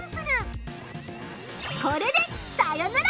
これでさよなら！